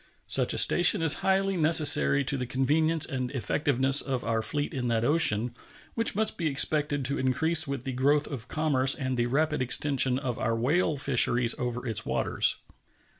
Such a station is highly necessary to the convenience and effectiveness of our fleet in that ocean, which must be expected to increase with the growth of commerce and the rapid extension of our whale fisheries over its waters.